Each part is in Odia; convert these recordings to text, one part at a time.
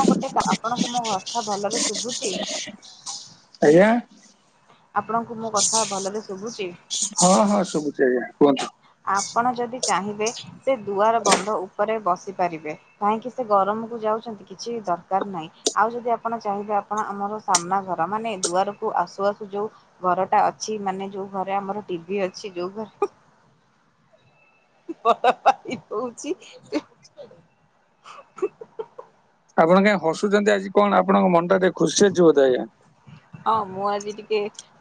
ଆଣ ଗୋଟେ ଆପଣଙ୍କୁ ମୋ କଥା ଭଲରେ ଶୁଭୁଚି? ଆଜ୍ଞା? ଆପଣଙ୍କୁ ମୋ କଥା ଭଲରେ ଶୁଭୁଚି? ହଁ ହଁ ସବୁଚି ଆଜ୍ଞା କୁହନ୍ତୁ। ଆପଣ ଯଦି ଚାହିଁବେ ସେ ଦୁଆର ବନ୍ଧ ଉପରେ ବସି ପାରିବେ କାହିଁକି ସେ ଗରମକୁ ଯାଉଚନ୍ତି କିଛି ଦରକାର ନାହିଁ। ଆଉ ଯଦି ଆପଣ ଚାହିଁବେ ଆପଣ ଆମର ସାମ୍ନା ଘର ମାନେ ଦୁଆରକୁୁ ଆସୁ ଆସୁ ଯୋଉ ଘରଟା ଅଛି ମାନେ ଯୋଉ ଘରେ ଆମର ଟିଭି ଅଛି ଯୋଉ ଘରେ [unintelligible] ଦଉଛି। ଆପଣ କାଇହିଁ ହସୁଛନ୍ତି ଆଜି କଣ ଆପଣଙ୍କ ମନଟା ଟିକେ ଖୁସି ଅଛି ବଧେ ଆଜ୍ଞା। ହଁ ମୁଁ ଆଜି ଟିକେ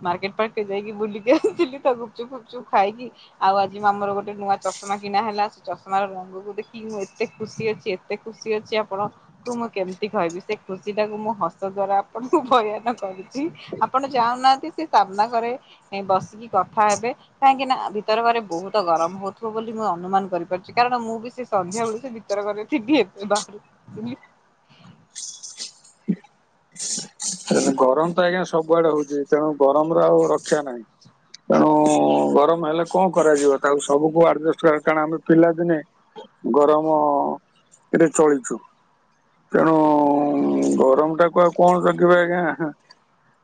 ମାର୍କେଟ ପାର୍କରେ ଯାଇକି ବୁଲିକି ଆସିଥିଲି ତ ଗୁପଚୁପ ଫୁପଚୁପ ଖାଇକି ଆଉ ଆଜି ଆମର ଗୋଟେ ନୂଆ ଚଷମା କିଣା ହେଲା ସେ ଚଷମା ରଙ୍ଗକୁ ଦେଖିକି ମୁଁ ଏତେ ଖୁସି ଅଛି। ଏତେ ଖୁସି ଅଛି ଆପଣ ତୁ ମୁଁ କେମିତି କହିବି ସେ ଖୁସି ଟାକୁ ମୁଁ ହସ ଦ୍ଵାରା ଆପଣଙ୍କୁ ବୟାନ କରି ଆପଣ ଯାଉନାହାନ୍ତି ସେ ସାମ୍ନା ଘରେ ବସିକି କଥା ହେବେ। କାହିଁକି ନା ଭିତର ଘରେ ବହୁତ ଗରମ ହଉଥିବ ବୋଲି ମୁଁ ଅନୁମାନ କରିପାରୁଛି କାରଣ ମୁଁ ବି ସେ ସନ୍ଧ୍ୟା ବେଳୁ ସେ [unintelligible] ଗରମ ତ ଆଜ୍ଞା ସବୁଆଡେ ହଉଛି ତେଣୁ ଗରମରେ ଆଉ ରକ୍ଷା ନାହିଁ। ତେଣୁ ଗରମ ହେଲେ କଣ କରାଯିବ ତାକୁ ସବୁକୁ ଆଡଜଷ୍ଟ କାରଣ ଆମେ ପିଲାଦିନେ ଗରମରେ ଚଳିଛୁ। ତେଣୁ ଗରମ ଟାକୁ ଆଉ କଣ ଜଗିବ ଆଜ୍ଞା।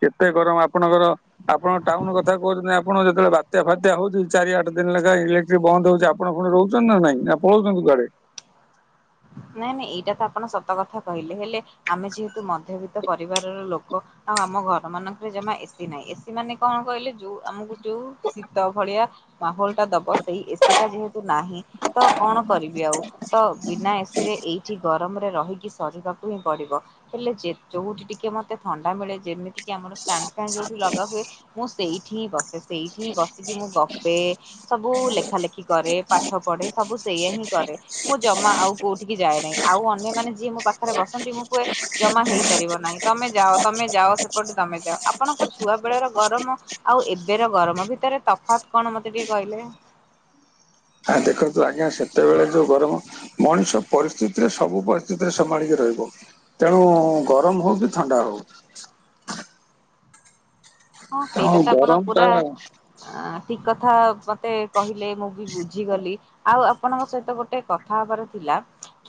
କେତେ ଗରମ ଆପଣଙ୍କର ଆପଣ ଟାଉନ କଥା କହୁଛନ୍ତି ଆପଣ ଯେତେବେଳେ ବାତ୍ୟା ଫାତ୍ୟା ହଉଛି ଚାରି ଆଠ ଦିନ ଳାକା ଇଲେ ବନ୍ଦ ହଉଛି ଆପଣ ପୁଣି ରହୁଛନ୍ତି ନା ନାଇଁ ନା ପଳଉଛନ୍ତି କୁଆଡ଼େ ନାଇଁ ନାଇଁ ଏଇଟା ତ ଆପଣ ସତ କଥା କହିଲେ ହେଲେ ଆମେ ଯେହେତୁ ମଧ୍ୟବିତ୍ତ ପରିବାରର ଲୋକ ଆଉ ଆମ ଘର ମାନଙ୍କରେ ଜମା ଏସିି ନାହିଁ ଏସିି ମାନେ କଣ କହିଲେ ଯୋଉ ଆମକୁ ଯୋଉ ଶୀତ ଭଳିଆ ମାହୋଲ ଟା ଦବ ସେଇ ଏସି ଟା ଯେହେତୁ ନାହିଁ। ତ କଣ କରିବି ଆଉ ତ ବିନା ଏଠି ଗରମରେ ରହିକି ସରିବାକୁ ହିଁ ପଡିବ। ହେଲେ ଯେ ଯୋଉଠି ଟିକେ ମତେ ଥଣ୍ଡା ମିଳେ ଯେମିତିକି ଆମର ଫ୍ୟାନ ଫ୍ୟାନ ଯେଉଁଠି ଲଗା ହୁଏ ମୁଁ ସେଇଠି ହିଁ ବସେ ସେଇଠି ହିଁ ବସିକି ମୁଁ ଗପେ। ସବୁ ଲେଖା ଲେଖି କରେ ପାଠ ପଢେ ସବୁ ସେଇଆ ହିଁ କରେ ମୁଁ ଜମା ଆଉ କୋଉଠିକି ଯାଏ ନାହିଁ ଆଉ ଅନ୍ୟମାନେ ଯିଏ ମୋ ପାଖରେ ବସନ୍ତି ମୁଁ କୁହେ ଜମା ହେଇପାରିବ ନାହିଁ ତମେ ଯାଅ ତମେ ଯାଅ ସେପଟେ ତମେ ଯାଅ। ଆପଣଙ୍କ ଛୁଆ ବେଳର ଗରମ ଆଉ ଏବେର ଗରମ ଭିତରେ ତଫାତ୍ କଣ ମତେ ଟିକେ କହିଲେ? ଆ ଦେଖନ୍ତୁ ଆଜ୍ଞା ସେତେବେଳେ ଯେଉଁ ଗରମ ମଣିଷ ପରିସ୍ଥିତିରେ ସବୁ ପରିସ୍ଥିତିରେ ସମ୍ଭାଳିକି ରହିବ। ତେଣୁ ଗରମ ହଉ କି ଥଣ୍ଡା ହଉ ହଁ ତେଣୁ ସେଇଟା ତ ଆପଣ ଗରମ ଟା ପୁରା ଆ ଠିକ କଥା ମତେ କହିଲେ ମୁଁ ବି ବୁଝିଗଲି। ଆଉ ଆପଣଙ୍କ ସହିତ ଗୋଟେ କଥା ହବାର ଥିଲା।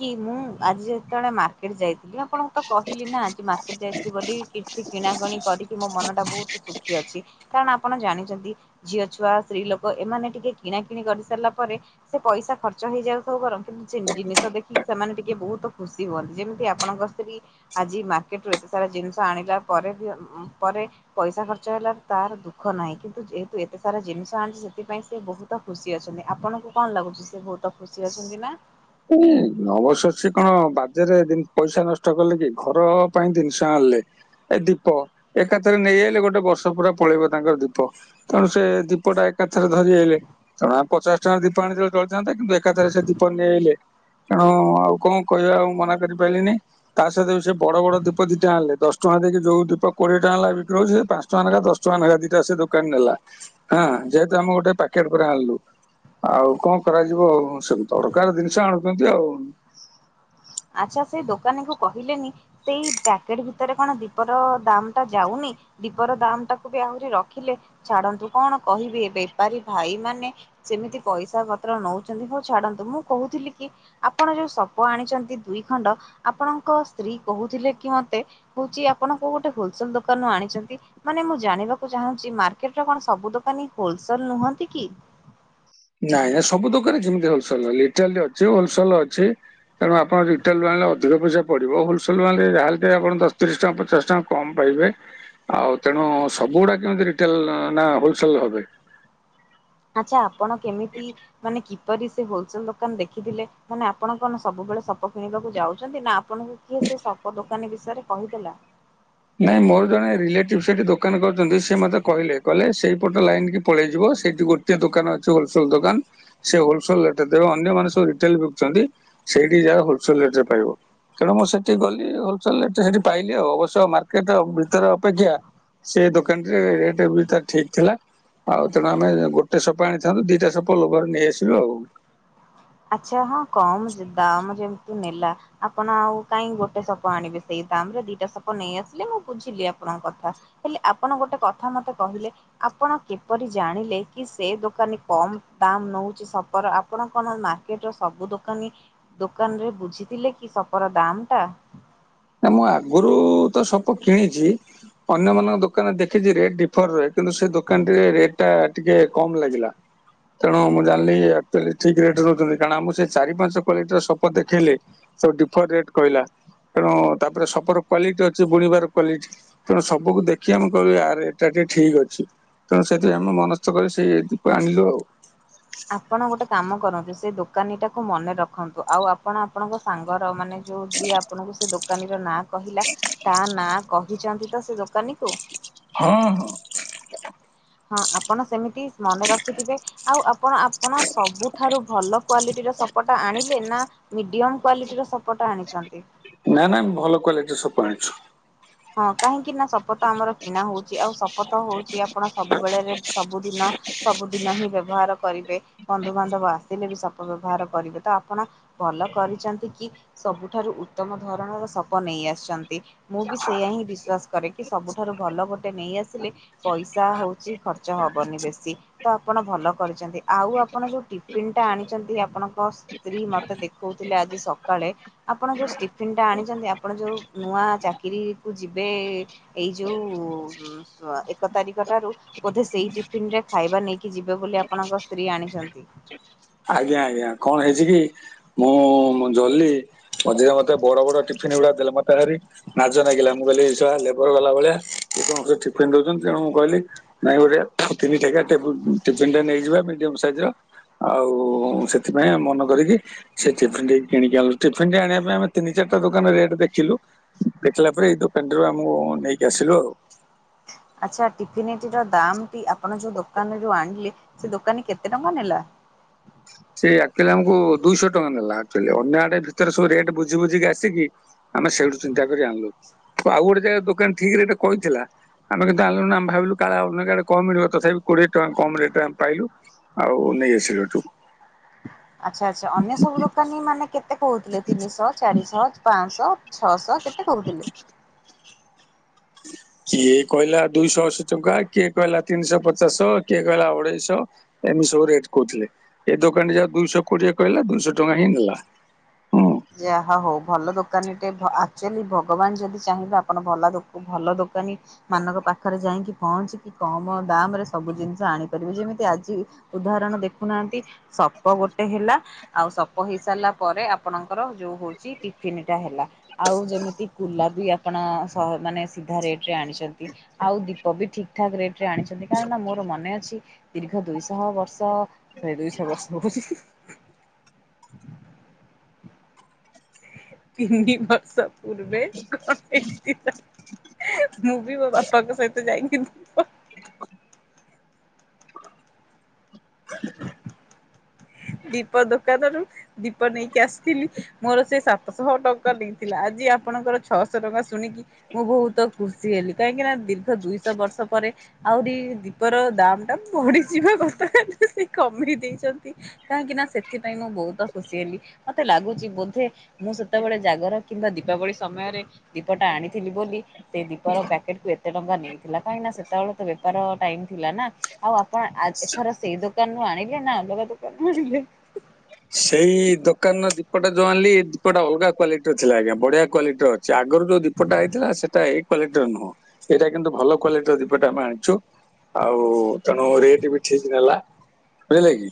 କି ମୁଁ ଆଜି ଯେତେବେଳେ ମାର୍କେଟ ଯାଇଥିଲି ଆପଣଙ୍କୁ ତ କହିଲି ନା ଆଜି ମାର୍କେଟ ଯାଇଥିଲି ବୋଲି। କିଛି କିଣାକଣି କରିକି ମୋ ମନଟା ବହୁତ ସୁଖୀ ଅଛି କାରଣ ଆପଣ ଜାଣିଛନ୍ତି। ଝିଅ ଛୁଆ ସ୍ତ୍ରୀ ଲୋକ ଏମାନେ ଟିକେ କିଣା କିିଣି କରିସାରିଲା ପରେ ସେ ପଇସା ଖର୍ଚ୍ଚ ହେଇଯାଉ ସବୁ କର କିନ୍ତୁ ଜିନିଷ ଦେଖିକି ସେମାନେ ଟିକେ ବହୁତ ଖୁସି ହୁଅନ୍ତି ଯେମିତି ଆପଣଙ୍କ ସ୍ତ୍ରୀ ଆଜି ମାର୍କେଟ ରୁ ଏତେ ସାରା ଜିନିଷ ଆଣିଲା ପରେ ବି ପରେ ପଇସା ଖର୍ଚ୍ଚ ହେଲାର ତାର ଦୁଃଖ ନାହିଁ କିନ୍ତୁ ଯେହେତୁ ଏତେ ସାରା ଜିନିଷ ଆଣିଛି ସେଥିପାଇଁ ସେ ବହୁତ ତ ଖୁସି ଅଛନ୍ତି ଆପଣଙ୍କୁ କଣ ଲାଗୁଛି ସେ ବହୁତ ଖୁସି ଅଛନ୍ତି ନା? [unintelligible] ନବଶଷୀ କଣ ବାଜାରରେ ପଇସା ନଷ୍ଟ କଲେ କି ଘର ପାଇଁ ଜିନିଷ ଆଣିଲେ। ଏ ଦୀପ ଏକାଥରେ ନେଇଆଇଲେ ଗୋଟେ ବର୍ଷ ପୁରା ପଳେଇବ ତାଙ୍କର ଦୀପ। ତେଣୁ ସେ ଦୀପଟା ଏକାଥରେ ଧରି ଆଇଲେ। କାରଣ ଆମ ପଚାଶ ଟଙ୍କା ଦୀପ ଆଣିଥିଲେ ଚଳିଥାତା କିନ୍ତୁ ଏକାଥରେ ସେ ଦୀପ ନିଆଲେ। କାରଣ ଆଉ କଣ କହିବା ଆଉ ମନା କରିପାରିଲିନି ତା ସହିତ ସେ ବଡ ବଡ ଦୀପ ଦିଟା ଆଣେଲେ ଦଶ ଟଙ୍କା ଦେଇି ଯୋଉ ଦୀପ କୋଡିଏ ଟଙ୍କା ନେଲା ବିକ୍ର ହଉଛି ସେ ପାଞ୍ଚ ଟଙ୍କ ଲେଖା ଦଶ ଟଙ୍କା ନେଖା ଦିଟା ସେ ଦୋକାନ ନେଲା। ହଁ ଯେହେତୁ ଆମେ ଗୋଟେ ପ୍ୟାକେଟ ପୁରା ଆଣିଲୁ ଆଉ କଣ କରାଯିବ ଆଉ ସବୁ [inaudible] ଜିନିଷ ଆଣୁଛନ୍ତି ଆଉ। ଆଚ୍ଛା ସେଇ ଦୋକାନୀ କୁ କହିଲେନି ସେଇ ପ୍ୟାକେଟ ଭିତରେ କଣ ଦୀପର ଦାମ୍ ଟା ଯାଉନି? ଦୀପର ଦାମ ଟାକୁ ବି ଆହୁରି ରଖିଲେ ଛାଡନ୍ତୁ କଣ କହିବି ବେପାରୀ ଭାଇ ମାନେ ସେମିତି ପଇସା ପତ୍ର ନଉଚନ୍ତି ହଉ ଛାଡନ୍ତୁ ମୁଁ କହୁଥିଲି କି ଆପଣ ଯୋଉ ସପ ଆଣିଚନ୍ତି ଦୁଇ ଖଣ୍ଡ ଆପଣଙ୍କ ସ୍ତ୍ରୀ କହୁଥିଲେ କି ମତେ ହଉଛି ଆପଣ କୋଉ ଗୋଟେ ହୋଲସେଲ ଦୋକାନୁ ଆଣିଚନ୍ତି। ମାନେ ମୁଁ ଜାଣିବାକୁ ଚାହୁଁଚି ମାର୍କେଟରେ କଣ ସବୁ ଦୋକାନୀ ହୋଲସଲ ନୁହନ୍ତି କି? ନାଇଁ ନାଇଁ ସବୁ ଦୋକାନ କେମିତି ହୋଲସଲ ଇଟ୍ରାଲି ଅଛି ହୋଲସଲ ଅଛି‌। ତେଣୁ ଆପଣ ରିଟେଲ ଆଣିଲେ ଅଧିକ ପଇସା ପଡ଼ିବ। ହୋଲସେଲ ଆଣିଲେ ଯାହାଲେ ଆପଣ ଦଶ, ତିରିଶ ଟଙ୍କା, ପଚାଶ ଟଙ୍କା କମ ପାଇବେ ଆଉ ତେଣୁ ସବୁଗୁଡା କେମିତି ରିଟେଲ ନା ହୋଲସେଲ ହବେ। ଆଚ୍ଛା ଆପଣ କେମିତି ମାନେ କି ପରି ସେ ହୋଲସେଲ ଦୋକାନ ଦେଖିଥିଲେ। ମାନେ ଆପଣ କଣ ସବୁବେଳେ ସପ କିଣିବାକୁ ଯାଉଛନ୍ତି ନା ଆପଣଙ୍କୁ କିଏ ସେ ସପ ଦୋକାନୀ ବିଷୟରେ କହିଦେଲା? ନାଇଁ ମୋର ଜଣେ ରିଲେଟିଭ ସେଠି ଦୋକାନ କରଚନ୍ତି ସେ ମୋତେ କହିଲେ କହିଲେ ସେଇପଟ ଲାଇନ କି ପଳେଇଯିବ ସେଇଠି ଗୋ ଟେ ଦୋକାନ ଅଛି ହୋଲସଲ ଦୋକାନ। ସେ ହୋଲସଲ ରେଟ ରେ ଦେବେ ଅନ୍ୟମାନେ ସବୁ ରିଟେଲ ବକୁଚନ୍ତି ସେଇଠି ଯାଅ ହୋଲସଲ ରେଟ ରେ ପାଇବ। ତେଣୁ ମୁଁ ସେଠି ଗଲି ହୋଲସେଲ ରେ ସେଠି ପାଇଲି ଆଉ ଅବଶ୍ୟ ମାର୍କେଟ ଭିତରେ ଅପେକ୍ଷା ସେ ଦୋକାନରେ ରେଟ୍ ବି ତ ଠିକ ଥିଲା। ଆଉ ତେଣୁ ଆମେ ଗୋଟେ ସପ ଆଣିଥାନ୍ତୁ ଦିଟା ସପ ଲୋଭରେ ନେଇ ଆସିଲୁ ଆଉ। ଆଚ୍ଛା ହଁ କମ ଦାମ ଯେମିତିୁ ନେଲା ଆପଣ ଆଉ କାଇଁ ଗୋଟେ ସପ ଆଣିବେ ସେଇ ଦାମ ରେ ଦିଟା ସପ ନେଇ ଆସିଲେ ମୁଁ ବୁଝିଲି ଆପଣଙ୍କ କଥା। ହେଲେ ଆପଣ ଗୋଟେ କଥା ମତେ କହିଲେ ଆପଣ କିପରି ଜାଣିଲେ କି ସେ ଦୋକାନୀ କମ ଦାମ୍ ନଉଚି ସପର ଆପଣ କଣ ମା ର୍କେଟର ସବୁ ଦୋକାନୀ ଦୋକାନରେ ବୁଝିଥିଲେ କି ସପର ଦାମ୍ ଟା? ନା ମୁଁ ଆଗରୁ ତ ସବୁ କିଣିଚି ଅନ୍ୟମାନଙ୍କ ଦୋକାନରେ ଦେଖିଛି ରେଟ୍ [unintelligible] କିନ୍ତୁ ସେ ଦୋକାନ ରେଟ୍ ଟା ଟିକେ କମ ଲାଗିଲା। ତେଣୁ ମୁଁ ଜାଣିଲି [unintelligible] ଠିକ୍ ରେଟ୍ ଦଉଚନ୍ତି କାରଣ ଆମକୁ ସେ ଚାରି ପାଞ୍ଚ କ୍ୱଵାଲିଟିର ସପ ଦେଖେଲେ। ସବୁ ଡିଫର ରେଟ୍ କହିଲା। ତେଣୁ ତାପରେ ସପର କ୍ୱଵାଲିଟି ଅଛି ବୁଣିବାର କ୍ୱଵାଲିଟି। ତେଣୁ ସପକୁ ଦେଖି ଆମେ କହିଲୁ ଆରେ ଏଟା ଟିକେ ଠିକ ଅଛି। ତେଣୁ ସେଠି ଆମେ ମନସ୍ଥ କରି ସେଇ ଏକୁ ଆଣିଲୁ ଆଉ। ଆପଣ ଗୋଟେ କାମ କରନ୍ତୁ ସେ ଦୋକାନୀ ଟାକୁ ମନେ ରଖନ୍ତୁ ଆଉ ଆପଣ ଆପଣଙ୍କ ସାଙ୍ଗର ମାନେ ଯୋଉ ଯିଏ ଆପଣଙ୍କୁ ସେ ଦୋକାନୀର ନାଁ କହିଲା ତା ନାଁ କହିଚନ୍ତି ତ ସେ ଦୋକାନୀ କୁ? ହଁ ହଁ ହଁ ଆପଣ ସେମିତି ମନେ ରଖିଥିବେ ଆଉ ଆପଣ ଆପଣ ସବୁଠାରୁ ଭଲ କ୍ଵାଲିଟିର ସପଟା ଆଣିଲେ ନା ମିଡିୟମ କ୍ଵାଲିଟିର ସପଟା ଆଣିଚନ୍ତି? ନା ନା ଭଲ କ୍ୱାଲିଟିରେ ସପ ଆଣିଚୁ। ହଁ କାହିଁକି ନା ଶପଥ ଆମର କିଣା ହଉ ଚି ଆଉ ଶପଥ ହଉଚି ଆପଣ ସବୁବେଳେରେ ସବୁଦିନ ସବୁଦିନ ହିଁ ବ୍ୟବହାର କରିବେ ବନ୍ଧୁବାନ୍ଧବ ଆସିଲେ ବି ସବୁ ବ୍ୟବହାର କରିବେ ତ ଆପଣ ଭଲ କରିଛନ୍ତି କି ସବୁଠାରୁ ଉତ୍ତମ ଧରଣର ସପ ନେଇ ଆସିଛନ୍ତି ମୁଁ ବି ବିଶ୍ଵାସ କରେ କି ସବୁଠାରୁ ଭଲ ଗୋଟେ ନେଇ ଆସିଲେ ପଇସା ହଉଚି ଖର୍ଚ୍ଚ ହବନି ବେଶୀ ତ ଆପଣ ଭଲ କରିଛନ୍ତି ଆଉ ଆପଣ ଯୋଉ ଟି ତିନିଟା ଆଣିଛନ୍ତି ଆପଣଙ୍କ ସ୍ତ୍ରୀ ମୋତେ ଦେଖଉଥିଲେ ଆଜି ସକାଳେ ଆପଣ ଯୋଉ ଷ୍ଟିଫିନ୍ଟା ଆଣିଛନ୍ତି ଆପଣ ଯୋଉ ନୂଆ ଚାକିରି କୁ ଯିବେ ଏଇ ଯୋଉ ଏକ ତାରିଖ ଠାରୁ ବୋଧେ ସେଇ ଟିଫିନ୍ରେ ଖାଇବା ନେଇକି ଯିବେ ବୋଲି ଆପଣଙ୍କ ସ୍ତ୍ରୀ ଆଣିଛନ୍ତି। ଆଜ୍ଞା ଆଜ୍ଞା କଣ ହେଇଚି କି? ମୁଁ ଜଲ୍ଲି ମଝିରେ ମତେ ବଡ ବଡ ଟିଫିନ ଗୁଡା ଦେଲେ ମତେ ଭାରି ନାଜ ନାଗିଲା ମୁଁ କହିଲି ଏସଳା ଲେବର ବାଲା ଭଳିଆ ଠିଫିନ୍ ଦଉଛନ୍ତି ତେଣୁ ମୁଁ କହିଲି ନାଇଁ ଗୋଟ ତିନିଥାକିଆ ଟେବୁ ଟିଫିନ୍ ଟେ ନେଇଯିବା ମିଡିୟମ ସାଇଜର ଆଉ ସେଥିପାଇଁ ମନ କରିକି ସେ ଟିଫିନ କିଣିକି ଆଣିଲୁ ଟିଫିନ୍ ଟି ଆଣିବା ପାଇଁ ଆମେ ତିନି ଚାରିଟା ଦୋକାନ ରେଟ୍ ଦେଖିଲୁ। ଦେଖିଲା ପରେ ଏଇ ଦୋକାନଟିରୁ ଆମୁ ନେଇକି ଆସିଲୁ ଆଉ। ଆଚ୍ଛା ଟିଫିନଟିର ଦାମଟି ଆପଣ ଯୋଉ ଦୋକାନ ରୁ ଆଣିଲେ ସେ ଦୋକାନୀ କେତେ ଟଙ୍କା ନେଲା? ସେ ଆଚୁଆଲି ଆମକୁ ଦୁଇଶହ ଟଙ୍କା ନେଲା ଆକ୍ଚୁଆଲି ଅନ୍ୟ ଆଡେ ଭିତରେ ସବୁ ରେଟ ବୁଝି ବୁଝିକି ଆସିକି ଆମେ ସେଇଠୁ ଚିନ୍ତା କରି ଆଣିଲୁ ଆଉ ଗୋଟେ ଯାଗାରେ ଦୋକାନୀ ଠିକ୍ ରେଟେ କହିଥିଲା ଆମେ କିନ୍ତୁ ଆଣିଲୁନି ଆମେ ଭାବିଲୁ କାଳେ ଅନ୍ୟ ଜାଗା କମ ମିଳିବ ତଥାପି କୋଡିଏ ଟଙ୍କା କମ ରେଟ ଆମେ ପାଇଲୁ। ଆଉ ନେଇ ଆସିଲୁ ହେଠୁ। ଆଚ୍ଛା ଆଚ୍ଛା ଅନ୍ୟ ସବୁ ଦୋକାନୀ ମାନେ କେତେ କହୁଥିଲେ ତିନିଶହ ଚାରିଶହ ପାଞ୍ଚଶହ ଛଅଶହ? କେତେ କହୁଥିଲେ? [unintelligible] କିଏ କହିଲା ଦୁଇଶହ ଅଶୀ ଟଙ୍କା କିଏ କହିଲା ତିନିଶହ ପଚାଶ କିଏ କହିଲା ଅଢେଇଶହ ଏମିତି ସବୁ ରେଟ୍ କହୁଥିଲେ ଏ ଦୋକାନିଜାକ ଦୁଇଶହ କୋଡିଏ କହିଲା ଦୁଇଶହ ଟଙ୍କା ହିଁ ନେଲା। ହଁ‌। ଯା ହଉ ଭଲ ଦୋକାନୀଟେ ଆକ୍ଚୁଆଲି ଭଗବାନ ଯଦି ଚାହିଁବେ ଆପଣ ଭଲ ଦୋ ଭଲ ଦୋକାନୀ ମାନଙ୍କ ପାଖରେ ଯାଇକି ପହଞ୍ଚିକି କମ ଦାମ ରେ ସବୁ ଜିନିଷ ଆଣିପାରିବେ ଯେମିତି ଆଜି ଉଦାହରଣ ଦେଖୁନାହାନ୍ତି ସପ ଗୋଟେ ହେଲା ଆଉ ସପ ହେଇ ସାରିଲା ପରେ ଆପଣ ଙ୍କ ର ଯୋଉ ହଉଚି ଟିଫିନ୍ ଟା ହେଲା ଆଉ ଯେମିତି କୁଲା ବି ଆ ପଣ ମାନେ ସିଧା ରେଟ୍ ରେ ଆଣିଛନ୍ତି ଆଉ ଦି ତ ବି ଠିକ୍ ଠାକ୍ ରେଟ ରେ ଆଣିଛନ୍ତି କାହିଁକ ନା ମୋର ମନେ ଅଛି ଦୀର୍ଘ ଦୁଇଶହ ବର୍ଷ ସେ ଦୁଇଶହ ବର୍ଷ। [inaudible] [unintelligible] ପୂର୍ବେ କଣ [inaudible] ମୁଁ ବି ମୋ ବାପାଙ୍କ ସହିତ ଯାଇକି [unintelligible] [unintelligible] ଦୀପ ଦୋକାନରୁ ଦୀପ ନେଇକି ଆସିଥିଲି ମୋର ସେ ସାତଶହ ଟଙ୍କା ଦେଇଥିଲା ଆଜି ଆପଣଙ୍କର ଛଅଶହ ଟଙ୍କା ଶୁଣିକି ମୁଁ ବହୁତ ଖୁସି ହେଲି କାହିଁକି ନା ଦୀର୍ଘ ଦୁଇଶହ ବର୍ଷ ପରେ ଆହୁରି ଦୀପର ଦାମ ଟା ବଢିଯିବା କଥା ହେଲେ ସେ କମେଇ ଦେଇଛନ୍ତି। କାହିଁକି ନା ସେଥିପାଇଁ ମୁଁ ବହୁତ ଖୁସି ହେଲି ମତେ ଲାଗୁଛି ବୋଧେ ମୁଁ ସେତେବେଳେ ଜାଗର କିମ୍ବା ଦୀପାବଳି ସମୟରେ ଦୀପଟା ଆଣିଥିଲି ବୋଲି ସେ ଦୀପର ପ୍ୟାକେଟକୁ ଏତେ ଟଙ୍କା ନେଇଥିଲା କାହିଁକି ନା ସେତେବେଳେ ତ ବେପାର ଟାଇମ୍ ଥିଲା ନା? ଆଉ ଆପଣ ଆଜି ଏଥର ସେଇ ଦୋକାନରୁୁ ଆଣିଲେ ନା ଅଲଗା ଦୋକାନୁ ଆଣିଲେ? ସେଇ ଦୋକାନର ଦୀପଟା ଯୋଉ ଆଣିଲି ଏ ଦୀପଟା ଅଲଗା କ୍ଵାଲିଟିର ଥିଲା ଆଜ୍ଞା ବଢ଼ିଆ କ୍ଵାଲିଟିର। ସେ ଆଗରୁ ଯୋଉ ଦୀପଟା ଆଇଥିଲା ସେଟା ଏଇ କ୍ୱାଲିଟିର ନୁହଁ, ଏଇଟା କିନ୍ତୁ ଭଲ କ୍ୱାଲିଟିର ଦୀପଟା ଆମେ ଆଣିଛୁ। ଆଉ ତେଣୁ ରେଟ୍ ବି ଠିକ୍ ନେଲା, ବୁଝିଲେ କି?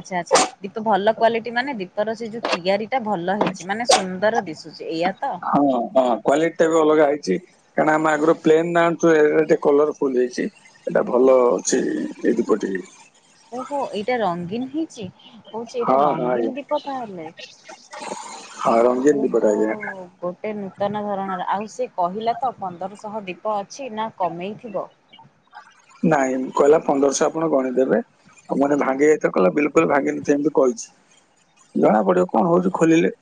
ଆଚ୍ଛା ଆଚ୍ଛା, କିତୁ ଭଲ କ୍ଵାଲିଟି ମାନେ ଦୀପର ସେ ଯୋଉ ତିଆରି ଟା ଭଲ ହେଇଛି ମାନେ ସୁନ୍ଦର ଦିଶୁଛି, ଏଇଆ ତ? ହଁ, ହଁ। କ୍ୱାଲିଟିଟା ବି ଅଲଗା ହେଇଛି, କାଣା ଆମେ ଆଗରୁ ପ୍ଲେନ୍ ନା ଆଣୁଥିଲେ ଏଇଟା ଟିକେ କଲରଫୁଲ୍ ହେଇଛି। ଏଟା ଭଲ ଅଛି ଏଇ, ଏଇ ଦୀପଟି। ଓହୋ ଏଇଟା ରଙ୍ଗୀନ୍ ହେଇଛି, କହୁଛି ଏଇଟା ହଁ ହଁ ରଙ୍ଗୀନ୍ ଆଜ୍ଞା ଦୀପ ତାହେଲେ। [inaudible] ରଙ୍ଗୀନ ଓହୋ। ଦୀପଟା ଆଜ୍ଞା ଗୋଟେ ନୂତନ ଧରଣର, ଆଉ ସେ କହିଲା ତ ପନ୍ଦରଶହ ଦୀପ ଅଛି ନା କମେଇଥିବ? ନାଇଁ କହିଲା ପନ୍ଦରଶ୍ହ ଆପଣ ଗଣିଦେବେ। ଆଉ ମୁ କହିନି ଭାଙ୍ଗି ଯାଇଥବ କହିଲା ବିଲକୁଲ ଭାଙ୍ଗିନଥିବ ଏମିତି କହିଛି, ଜଣା ପଡିବ କଣ ହଉଛି ଖୋଲିଲେ।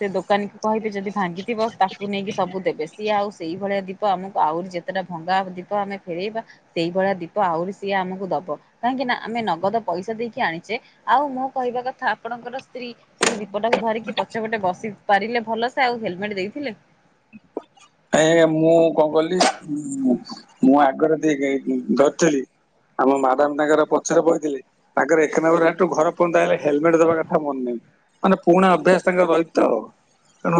ସେ ଦୋକାନୀକୁୁ କହିବେ ଯଦି ଭାଙ୍ଗିଥିବ ତାକୁ ନେଇକି ସବୁ ଦେବେ, ସିଏ ଆଉ ସେଇଭଳିଆ ଦୀ ପ ଆମକୁ ଆହୁରି ଯେତେଟା ଭଙ୍ଗା ଦୀପ ଆମେ ଫେରେଇବା ସେଇଭଳିଆ ଦୀପ ଆହୁରି ସିଏ ଆମକୁ ଦବ କାହିଁକି ନା ଆମେ ନଗଦ ପଇସା ଦେଇକି ଆଣିଚେ। ଆଉ ମୋ କହିବା କଥା ଆପଣଙ୍କର ସ୍ତ୍ରୀ ସେ ଯୋଉ ଦୀପଟାକୁ ଧରିକି ପ ଛ ପଟେ ବସି ପାରିଲେ ଭଲସେ ଆଉ ହେଲମେଟ୍ ଦେଇଥିଲେ? ନାଇଁ ଆଜ୍ଞା ମୁଁ କଣ କଲିମୁଁ, ମୁଁ ଆଗରେ ଦେଇକି ଆଇଚି ଧରିଥିଲି ଆମ ମାଡ଼ାମ୍ ତାଙ୍କର ପଛରେ ବଇଥିଲେ। ତାଙ୍କର ଏକ ନମ୍ବର ହାଟରୁ ଘର ପର୍ଯ୍ୟନ୍ତ ଆଇଲେ ହେଲମେଟ୍ ଦବା କଥା ମନେ ନାହିଁ। ମାନେ ପୁରୁଣା ଅଭ୍ୟାସ ତାଙ୍କର ରହିଛି ତ, ତେଣୁ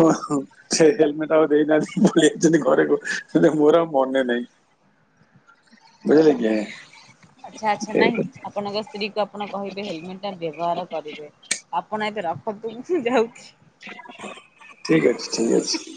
ସେ ହେଲମେଟ ଆଉ ଦେଇନାହାନ୍ତି। ଭୁଲିଯାଇଛନ୍ତି ଘରେ ଗୋ, କହିଲେ ମୋର ଆଉ ମନେ ନାହିଁ, ବୁଝିଲେ? [inaudible] ଆଚ୍ଛା ଆଚ୍ଛା ନାଇଁ ଠିକ ଅଛି ଆପଣଙ୍କ ସ୍ତ୍ରୀକୁ ଆପଣ କହିବେ ହେଲମେଟଟା ବ୍ୟବହାର କରିବେ। ଆପଣ ଏବେ ରଖନ୍ତୁ ମୁଁ ଯାଉଛି। ଠିକ୍ ଅଛି, ଠିକ୍ ଅଛି।